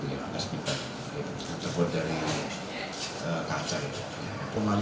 yang terbuat dari kaca itu